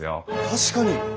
確かに！